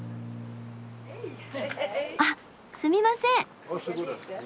あっすみません！